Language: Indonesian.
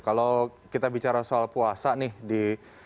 kalau kita bicara soal puasa nih di